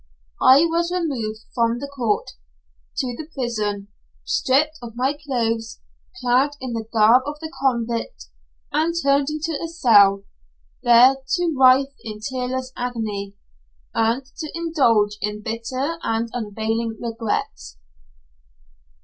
I was removed from the court to the prison, stripped of my clothes, clad in the garb of the convict, and turned into a cell, there to writhe in tearless agony, and to indulge in bitter and unavailing regrets.